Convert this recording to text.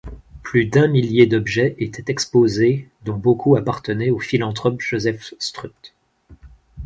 Plus d'un millier d'objets étaient exposés dont beaucoup appartenaient au philanthrope Joseph Strutt.